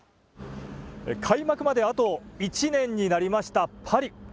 開幕まであと１年になりましたパリ。